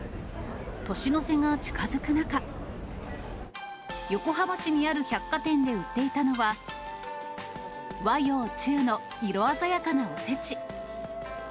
年の瀬が近づく中、横浜市にある百貨店で売っていたのは、和洋中の色鮮やかなおせち。